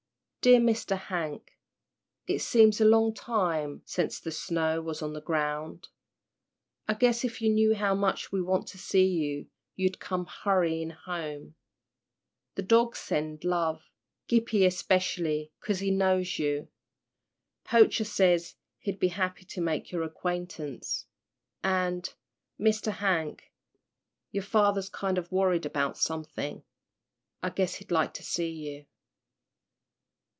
"Dear Mr. Hank, it seems a long time sence the snow was on the ground. I guess if you knew how much we want to see you you'd come hurryin' home. The dogs send love, Gippie specially 'cause he knows you. Poacher says he'd be happy to make your acquaintance and, Mr. Hank, your father's kind of worried about somethin'. I guess he'd like to see you."